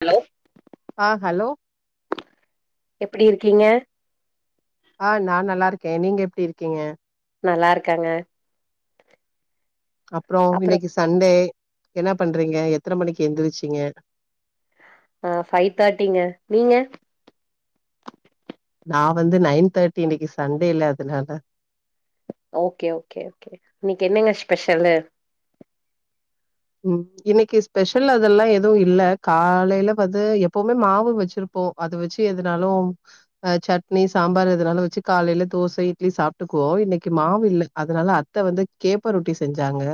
hello ஆ hello ப்டி இருக்கீங்க ஆஹ் நா நல்லா இருக்கே நீங்க எப்டி இருக்கீங்க நல்லா இருக்காங்க அப்றொ அப்றோ இன்னைக்கு சண்டே என்னா பண்றிங்க எத்தன மணிக்கு எந்திருச்சிங்க ஆஹ் ஃபைவ் தேர்ட்டிங்க நீங்க நா வந்து நைன் தேர்ட்டி இன்னைக்கு சண்டே இல்ல அதனால ஓகே ஓகே ஓகே இன்னைக்கு என்னங்க ஸ்பெஷல்லு உம் இன்னைக்கு ஸ்பெஷல் அதெல்லா எதுவு இல்ல காலைல வது எப்பவுமே மாவு வச்சிருப்போ அது வச்சி எதனாலு அஹ் சட்னி சாம்பார் எதுனாலு வச்சி காலைல தோசை இட்லி சாப்டுக்குவோ இன்னைக்கு மாவு இல்ல அதனால அத்த வந்து கேப்ப ரொட்டி செஞ்சாங்க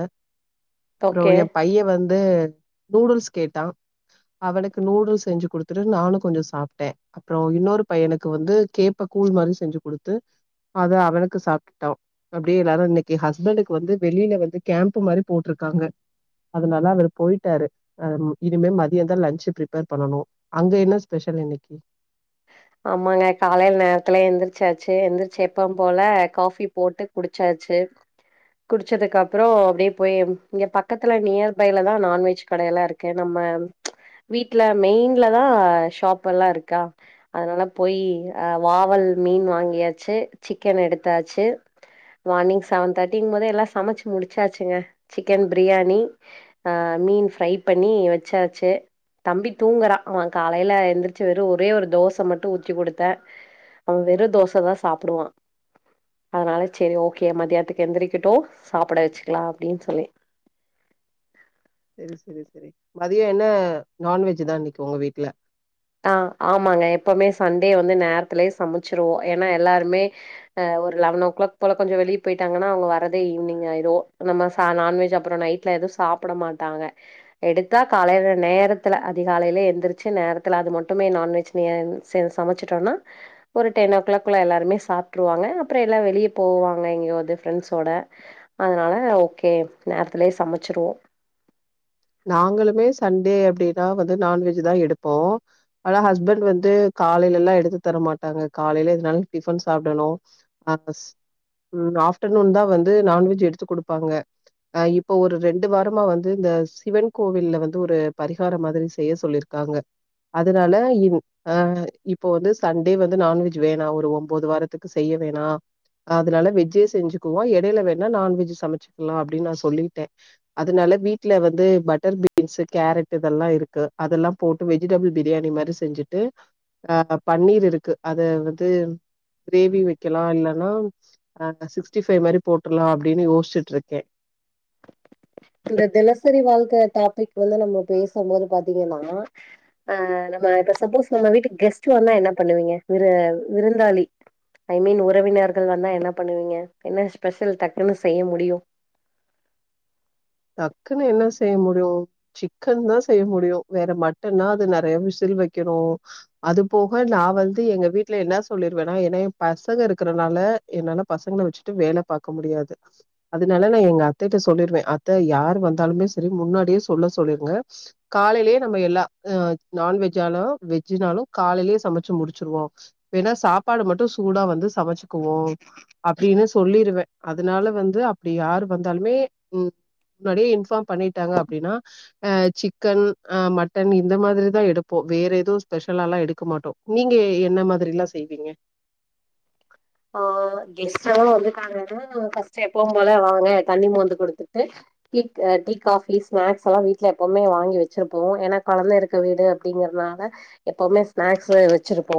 அப்றோ ஓகே எ பைய வந்து நூடுல்ஸ் கேட்டா அவனுக்கு நூடுல்ஸ் செஞ்சு குடுத்துட்டு நானு கொஞ்சொ சாப்ட்டே அப்றொ இன்னொரு பையனுக்கு வந்து கேப்ப கூழ் மாரி செஞ்சு குடுத்து அத அவனுக்கு சாப்டுட்டா அப்டியே எல்லாரு இன்னைக்கு ஹஸ்பண்டுக்கு வந்து வெளியில வந்து கேம்ப்பு மாரி போட்ருக்காங்க அதுனால அவரு போயிட்டாரு அஹ் இனிமே மதியந்தான் லஞ்சு பிரிப்பேர் பண்ணனு அங்க என்ன ஸ்பெஷல் இன்னைக்கி ஆமாங்க காலைல நேரத்துல எந்திர்ச்சாச்ச் எந்திர்ச்சி எப்பவ் போல காஃபி போட்டு குடிச்சாச்சு குடிச்சதுக்கப்றொ அப்டியே போய் இங்க பக்கத்துல நியர் பைலதான் நான்வெஜ் கடையலா இருக்கெ நம்ம வீட்ல மெயின்லதா ஷாப் எல்லா இருக்கா அதனால போய் வாவல் மீன் வாங்கியாச்சு சிக்கன் எடுத்தாச்சு மார்னிங் செவன் தேர்ட்டிங்கும் போத எல்லா சமைச்சு முடிச்சாச்சுங்க சிக்கன் பிரியாணி ஆஹ் மீன் ஃப்ரை பண்ணி வச்சாச்சு தம்பி தூங்குறா அவ காலைல எந்திரிச்சு வெறு ஒரே ஒரு தோஸ் மட்டு ஊத்திகுடுத்தே அவ வெறு தோசை தா சாப்டுவா அதனால செரி ஓகே மதியானத்துக்கு எந்திரிக்கட்டு சாப்புட வச்சுக்லா அப்டின் சொல்லி சரி சரி சரி மதியொ என்ன நான்வெஜ் தா இன்னைக்கி உங்க வீட்ல ஆஹ் ஆமாங்க எப்பவுமே சண்டே வந்து நேரத்துலே சமைச்சிருவோ ஏன்னா எல்லாருமே அஹ் ஒரு லெவன் ஓ கிளாக் போல கொஞ்சொ வெளிய பொயிட்டாங்கனா அவங்க வரதே ஈவினிங் ஆயிரு நம்ம ச நான்வெஜ் அப்புறொ நைட்ல எதுவு சாப்புட மாட்டாங்க எடுத்தா காலைல நேரத்துல அதிகாலைலே எந்திரிச்சு நேரத் த்துல அது மட்டுமே நான்வெஜ் நீயன் சேந் சமைச்சுட்டொனா ஒரு டென் ஓ கிளாக்குல்ல எல்லாருமே சாப்ட்ருவாங்க அப்றொ எல்லா வெளிய போவாங்க எங்குயவ்து ஃபிரண்ட்ஸோட அதனால ஓகே நேரத்துலயே சமச்சிருவோ நாங்களுமே சண்டே அப்டிதா வது நான்வெஜ் தா எடுப்போ ஆனா ஹஸ்பண்ட் வந்து காலைலலா எடுத்து தர மாட்டாங்க காலையில எதனாலு டிபன் சாப்டணு அஹ் அஸ் ஆஃப்டர்நூன் தா வந்து நான்வெஜ் எடுத்து குடுப்பாங்க அஹ் இப்போ ஒரு ரெண்டு வாரமா வந்து இந்த சிவன் கோவில்ல வந்து ஒரு பரிகாரொ மாதிரி செய்ய சொல்லிருக்காங்க அதனால இன் ஆஹ் இப்போ வந்து சண்டே வந்து நான்வெஜ் வேணா ஒரு ஒம்போது வாரத்துக்கு செய்ய வேணா அதுனால வெஜ்ஜே செஞ்சுக்குவோ எடைல வேணா நான்வெஜ்ஜு சமச்சிக்லா அப்டின் நா சொல்லிட்டே அதனால வீட்ல வந்து பட்டர் பீன்ஸ்சு கேரட்டு இதெல்லாம் இருக்கு அதெல்ல போட்டு வெஜிடபிள் பிரியாணி மாரி செஞ்சுட்டு அஹ் பன்னீர் இருக்கு அதை வந்து கிரேவி வெக்கலா இல்லனா அஹ் சிக்ஸ்டி ஃபைவ் மாரி போட்ருலா அப்டின்னு யோசிச்ட்டு இருக்கே இந்த தினசரி வாழ்க்க டாபிக் வந்து நம்ம பேசும்போது பாத்திங்கனா அ நம்ம இப்ப சப்போஸ் நம்ம வீட்டுக்கு கெஸ்ட் வந்தா என்ன பண்ணுவிங்க விரு விருந்தாளி ஐ மீன் உறவினர்கள் வந்தா என்ன பண்ணுவிங்க என்ன ஸ்பெஷல் டக்குன்னு செய்ய முடியு டக்குன்னு என்ன செய்ய முடியு சிக்கன்தா செய்ய முடியு வேற மட்டன்னா அது நெறைய விசில் வெக்கணு அது போக நா வந்து எங்க வீட்ல என்னா சொல்லிருவனா ஏனா எ பசங்க இருக்கறனால என்னால பசங்கள வெச்சுட்டு வேல பாக்க முடியாது அதனால நா எங்க அத்தைட்ட சொல்லிருவே அத் த யார் வந்தாலுமே செரி முன்னாடியே சொல்ல சொல்லிருங்க காலையிலயே நம்ம எல்லா அ நான்வெஜ்ஜாலு வெஜ்ஜுனாலு காலைலயே சமைச்சு முடிச்சிருவோ வேணா சாப்பாடு மட்டு சூடா வந்து சமைச்சுக்குவோ அப்டின்னு சொல்லிருவே அதனால வந்து அப்டி யார் வந்தாலுமே ம் முன்னாடியே இன்ஃபார்ம் பண்ணிட்டாங்க அப்டின்னா அ சிக்கன் அ மட்டன் இந்த மாதிரிதா எடுப்போ வேற ஏதோ ஸ்பெஷலாலா எடுக்க மாட்டோ நீங்க என்ன மாதிரில்லா செய்விங்க ஆ கெஸ்டல்லா வந்துட்டாங்கன்னா ஃபஸ்ட் எப்பவு போல வாங்க தண்ணி மோந்து குடுத்துட்டு டீக் டீ காஃபி ஸ்நாக்ஸ் எல்லா வீட்ல எப்பவுமே வாங்கி வச்சிருப்போ ஏன்னா கொழந்த இருக்க வீடு அப்டிங்கற்னால எப்பவுமே ஸ்நாக்ஸு வச்சிருப்போ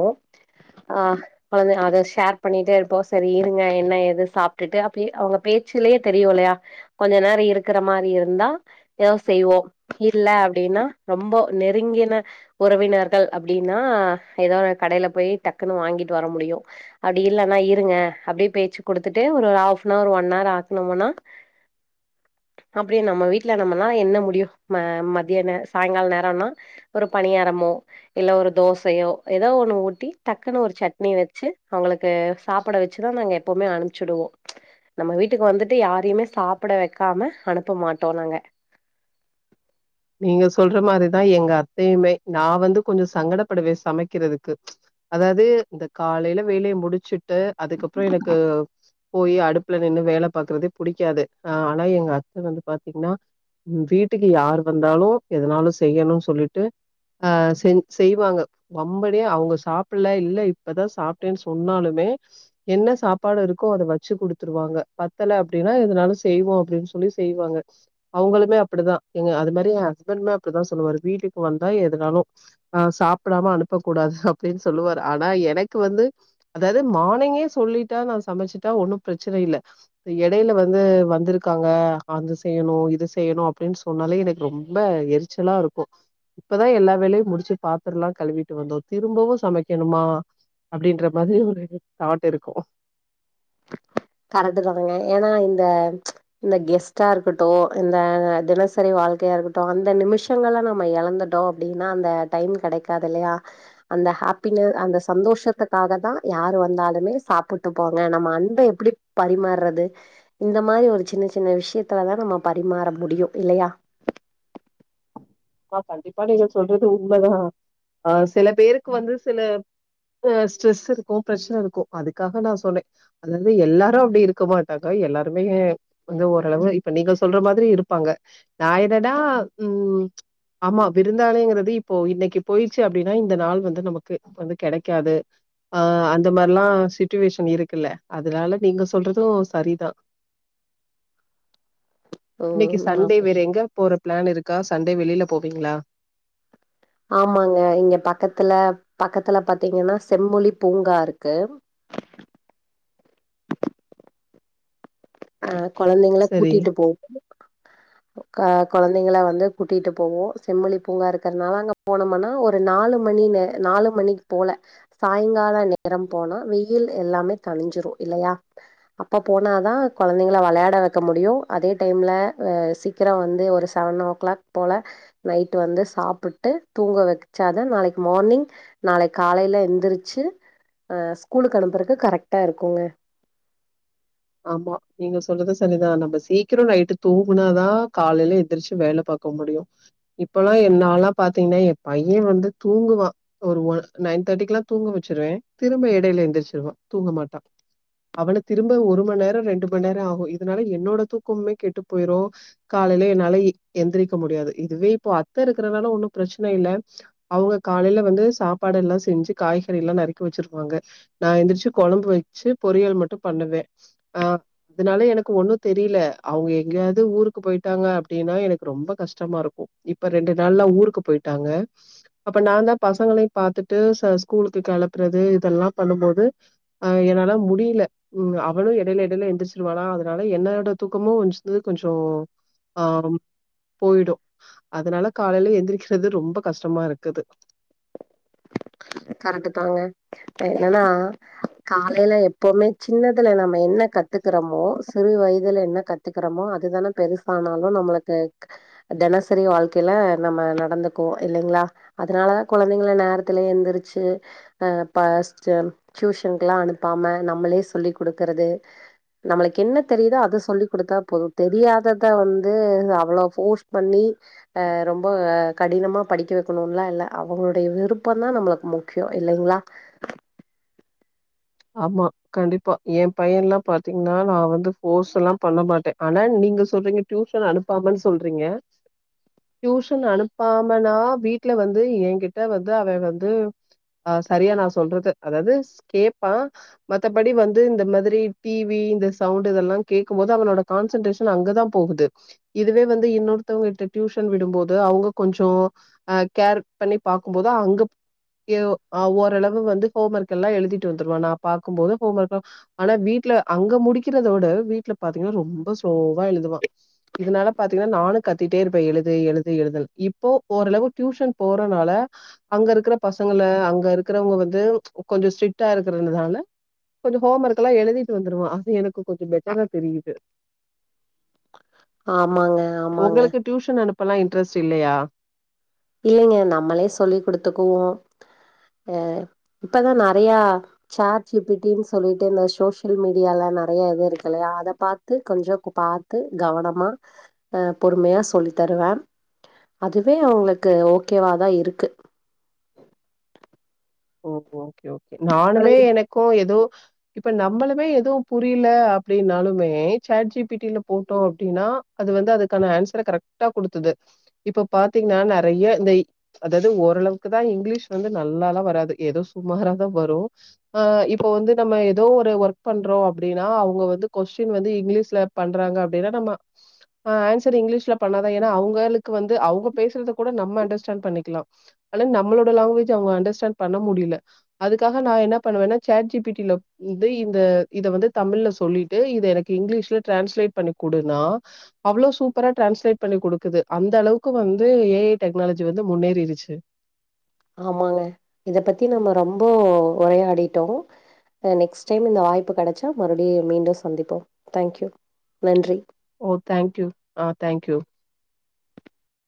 ஆ கொழந்த அது ஷேர் பண்ணிட்டே இருப்போ சரி இருங்க என்ன எது சாப்டுட்டு அப்டியே அவுங்க பேச்சுலேயே தெரியு இல்லையா கொஞ்ச நேர இருக்குற மாரி இருந்தா ஏதோ செய்வோ இல்ல அப்டின்னா ரொம்ப நெருங்கின உறவினர்கள் அப்டின்னா ஏதோ கடைல போயி் டக்குன்னு வாங்கிட்டு வர முடியு அப்டி இல்லன்னா இருங்க அப்டியே பேச்சு குடுத்துட்டு ஒரு ஹஃப்னவர் ஒன்ஹவர் ஆக்கனமுனா அப்டியே நம்ம வீட்ல நம்மனா என்ன முடியு மா மதியே சாங்கால நேரம்னா ஒரு பணியாரமோ இல்ல ஒரு தோசையோ ஏதோ ஒன்னு ஊட்டி டக்குன்னு ஒரு சட்னி வச்சு அவளுக் சாப்புட வச்சுதா நாங்க போமே அனுப்ச்சுடுவோ நம்ம வீட்டுக்கு வந்துட்டு யாரையுமே சாப்புட வெக்காம அனுப்ப மாட்டோ நாங்க நீங்க சொல்ற மாதிரிதா எங்க அத்தையுமே நா வந்து கொஞ்ச சங்கடப்படுவே சமைக்கிறதுக்கு அதாவ்து இந்த காலைல வேலைய முடிச்சுட் அதுக்கப்ற எனக்கு போய் அடுப்புல நின்று வேல பாக்குறதே புடிக்காது ஆனா எங்க அத்த வந்து பாத்தீங்கனா வீட்டுக்கு யாரு வந்தாலு எதனாலு செய்யணு சொல்லிட்டு அ செஞ் செய்வாங்க வம்படியா அவுங்க சாப்புட்ல இல்ல இப்பதா சாப்ட்டேன் சொன்னாலுமே என்ன சாப்பாடு இருக்கோ அத வச்சு குடுத்துருவாங்க பத்தல அப்டின்னா எதனலு செய்வோ அப்டின் சொல்லி செய்வாங்க அவங்களுமே அப்படிதா எங்க அதுமாி எ ஹஸ்பண்டுமே அப்புடிதா சொல்லுவரு வீட்டுக்கு வந்தா எதனாலு அ சாப்புடாம அனுப்பக் கூடாது அப்டின் சொல்வார் ஆனா எனக்கு வந்து அதாது மானிங்கே சொல்லிட்டா நா சமச்சிட்டா ஒன்னு ப்ரச்சன இல்ல எடைல வந்து வந்திருக்காங்க அது செய்யணு இது செய்யணு அப்டின் சொன்னாலே எனக் ரொம்ப எரிச்சலா இருக்கு இப்பதா எல்லா வேலையு முடிச்சு பாத்தர்லா கழுவிட்டு வந்தோ திரும்பவு சமைக்கணுமா அப்படின்ற மாதிரி ஒரு தாட் இருக்கும் கரெட்டுதாங்க ஏன்னா இந்த இந்த கெஸ்ட்டா இருக்கட்டு இந்த தினசரி வாழ்க்கையா இருக்குட்டு அந்த நிமிஷங்கள்ல நம்ம எழந்துட்டோ அப்டின்னா அந்த டைம் கடைக்காது இல்லையா அந்த ஹாப்பின அந்த சந்தோஷத்துக்காகதா யாரு வந்தாலுமே சாப்புட்டு போங்க ந மந்த எப்புடி பரிமாற்றது இந்த மாரி ஒரு சின்ன சின்ன விஷியத்துலதா நம்ம பரிமாற முடியு இல்லையா பா கண்டிப்பா நீங்க சொல்றது உண்மதா அ சில பேருக்கு வந்து சில அ ஸ்ரெஸ் இருக்கு ப்ரச்சன இருக்கு அதுக்காக நா சொன்னே அதாவ்து எல்லாரு அப்டி இருக்க மாட்டாங்க எல்லாருமே கோஞ்சோ ஓரளவு இப்ப நீங்க சொல்ற மாதுரி இருப்பாங்க நா என்னடா ம் ஆமா விருந்தாளிங்கிறது இப்போ இன்னைக்கு போயிடுச்சு அப்டினா இந்த நாள் வந்து நமக்கு வந்து கெடைக்காது ஆ அந்த மார்லா சுச்சுவேஷன் இருக்குல்ல அதனால நீங்க சொல்றது சரிதா இன்னிக்கு ம் சண்டே ஆமா வேற எங்க போற ப்ளான் இருக் கா சண்டே வெளிலப் போவிங்ளா ஆமாங்க இங்க பக்கத்துல பக்கத்துல பாத்தீங்கன்னா செம்மொழி பூங்கா இருக்கு ஆ கொழந்தைங்கள சரி கூட்டிட்டு போவுனு கா கொழந்தைங்களா வந்து கூட்டிட்டு போவோ, செம்மொழி பூங்கா இருக்கறனால அங்க போனம்மன்னா ஒரு நாலு மணி நே நாலு மணிக்கு போல சாயங்கால நேரம் போனா வெயில் எல்லாமே தனிஞ்சிரு இல்லையா அப்ப போனாதா கொழந்தைங்கள வெளையாட வைக்க முடியு, அதே டைம்ல அ சீக்கிரம் வந்து ஒரு செவன் ஓ கிளாக் போல நைட் வந்து சாப்புட்டு தூங்க வச்சாத நாளைக்கு மார்னிங் நாளைக்கு காலையில எந்திரிச்சு அ ஸ்கூலுக்கு அனுப்புறக்கு கரெக்டா இருக்குங்க ஆமா நீங்க சொல்றது சரிதா, நம்ப சீக்கிரோ நைட்டு தூங்குனாதா காலைல எந்திரிச்சு வேல பாக்க முடியு இப்பல்லா எ நான்லா பாத்தீங்னா எ பைய வந்து தூங்குவா ஒரு ஒ நைன் தேர்ட்டி எல்லா தூங்க வச்சிருவே திரும்ப இடையில எந்திரிச்சிருவா தூங்க மாட்டா அவன திரும்ப ஒரு மண்நேர ரெண்டு மணி நேரோ ஆகு, இதனால என்னோட தூக்கமுமே கெட்டு போயிரு காலையில என்னால எந்திரிக்க முடியாது இதுவே இப்போ அத்தை இருக்கறனால ஒன்னு பிரச்சன இல்ல அவங்க காலைல வந்து சாப்பாடு எல்லா செஞ்சு காய்கறி எல்லா நறுக்கி வச்சிருவாங்க நா எந்திரிச்சு கொழம்பு வச்சு பொரியல் மட்டு பண்ணுவே அ அதனால எனக்கு ஒண்ணு தெரியல அவங்க எங்கேயாவது ஊருக்கு போயிட்டாங்க அப்டின்னா எனக்கு ரொம்ப கஷ்டமா இருக்கு இப்ப ரெண்டு நாள்ல்லா ஊருக்கு போயிட்டாங்க அப்ப நான்தா பசங்களையு பாத்துட்டு ச ஸ்கூலுக்கு கெளப்புறது இதெல்லா பண்ணும்போது அ என்னால முடில, ம், அ அவளு எடையில எடையில எந்திருச்சிருவாளா அதனால என்னோட தூக்கமு வஞ்சுது கொஞ்சோ ஆ போயிடு, அதனால காலைல எந்திரிக்கிறது ரொம்ப கஷ்டமா இருக்குது கரெக்ட்டுதாங்க இப்ப என்னன்னா காலைல எப்போமே சின்னதுல நம்ம என்ன கத்துக்குறோமோ சிறு வயதுல என்ன கத்துக்கிறோமோ அதுதானே பெருசானாலு நம்மளுக்கு தினசரி வாழ்க்கையில நம்ம நடந்துக்குவோ இல்லைங்ளா அதனாலதா கொழந்தைங்கள நேர த்துல எந்திரிச்சு அ ஃப்ஸ்ட் டியூஷன்க்குலா அனுப்பாம நம்மளே சொல்லிகுடுக்கறது நம்மளுக்கு என்ன தெரியுதோ அத சொல்லிக் குடுத்தா போதும் தெரியாததை வந்து அவ்ளோ ஃபோர்ஸ் பண்ணி அ ரொம்ப கடினமா படிக்க வைக்கணுன்னுலா இல்ல, அவங்களுடைய விரு ப்பந்தா நம்பளுக்கு முக்கியோ இல்லைங்ளா ஆமா கண்டிப்பா எ பையன்ல்லா பாத்தீங்னா நா வந்து ஃபோர்ஸ் எல்லா பண்ண மாட்டே, ஆனா நீங்க சொல்றீங்க டியூஷன் அனுப்பாமன்னு சொல்றீங்க டியூஷன் அனுப்பாமனா வீட்ல வந்து என்கிட்ட வந்து அவ வந்து சரியா நா சொல்றது அதாவது கேப் பா மத்தபடி வந்து இந்த மாதிரி டிவி இந்த சவுண்ட் இதெல்லா கேட்கும்போது அவனோட கான்சன்ட்டேஷன் அங்கதா போகுது இதுவே வந்து இன்னொருத்தவங்க கிட்ட டியூஷன் விடும்போது அவங்க கொஞ்சோ அ கேர் பண்ணி பாக்கும்போது அங்க எ ஓரளவு வந்து ஹோம் ஒர்க் எல்லா எழுதி ட்டு வந்துருவா நா பாக்கும்போது ஹோம் ஒர்க்லாம், ஆனா வீட்ல அங்க முடிக்கிறத விட வீட்ல பாத்தீங்கன்னா ரொம்ப ஸ்லோவா எழுதுவா இதனால பாத்துகின்னா நானு கத்திடே இருப்பே எழுது எழுது எழுதுன்னு இப்போ ஓரளவு டியூஷன் போறனால அங்க இருக்குற பசங்கள அங்க இருக்குறவங்க வந்து கொஞ்சோ ஸ்ட்ரி க்டா இருக்கறனால கொஞ்சோ ஹோம் ஒர்க் எல்லா எழுதிட்டு வந்துருவா அது எனக்கு கொஞ்சோ பெட்டரா தெரியுது ஆமாங்க ஆமாங்க பல்லா இன்ட்ரெஸ்ட் இல்லையா இல்லைங்க நம்மளே சொல்லிக் குடுத்துக்குவோ அ இப்பதா நறைய சேட் ஜி பி டி ன்னு சொல்லிட்டு இந்த சோசியல் மீடியாலா நறைய இது இருக்கு இல்லையா அத பாத்து கொஞ்சோ பாத்து கவனமா அ பொறுமையா சொல்லி தருவே அதுவே அவங்களுக் கு ஓக்கேவாதா இருக்கு ஓஹோ ஒகே ஒகே ஆனா நானுமே எனக்கு ஏதோ இப்ப நம்பளுமே எதுவு புரியல அப்படின்னாலுமே சாட்ஜிபிட்டில போட்டோ அப்படின்னா அது வந்து அதுக்கான ஆன்சர கரெக்ட்டா குடுத்தது இப்ப பாத்தீங்கன்னா நறைய இந்த அதாவது ஓரளவுக்குதா இங்கிலீஷ் வந்து நல்லாலா வராது ஏதோ சுமாரா தா வரு ஆ இப்ப வந்து நம் ஏதோ ஒரு ஒர்க் பண்றோ அப்படின்னா அவங்க வந்து கொஸ்டின் வந்து இங்கிலிஷ்ல பண்றாங்க அப்டினா நம்ம ஆன்ஸர் இங்கிலிஷ்ல பண்ணா தா என்னா அவங்களுக்கு வந்து அவங்க பேசறத கூட நம்ம அன்டர்ஸ்டேன் பண்ணிக்கலா நம்மளோட லாங்வேஜ் அவங்க அன்டர்ஸ்ட பண்ண முடியல அதுக்காக நா என்ன பண்ணுவேனா சேட் ஜிபி ட்டில இத இந்த இத வந்து தமிழ்ல சொல்லிட்டு இத எனக்கு இங்கிலீஷ்ல ட்ரான்ஸ்லேட் பண்ணி குடுனா அவ்ளவு சூப்பரா டிரான்ஸ்லேட் பண்ணி குடுக்குது அந்த அளவுக்கு வந்து ஏஐ டெக்னாலஜி வந்து முன்னேறிடுச்சு ஆமாங்க இத பத்தி நம்ம ரொம்ப உரையாடிட்டோ நெக்ஸ்ட் டைம் இந்த வாய்ப்பு கிடைச்சா மறுபடியு மீண்டும் சந்திப்போ தைங்க்யூ நன்றி ஓ தேங்க்யூ ஆ தேங்க்யூ